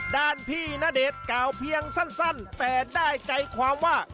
ด้านพี่ณเดชน์กล่าวเพียงสั้นแต่ได้ใจความว่า